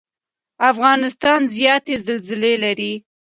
افغانستان زیاتې زلزلې لري.